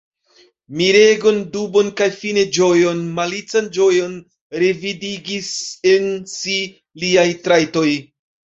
Miregon, dubon kaj fine ĝojon, malican ĝojon revidigis en si liaj trajtoj.